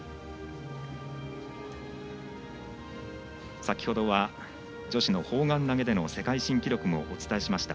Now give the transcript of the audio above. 先ほどは女子の砲丸投げの世界新記録もお伝えしました。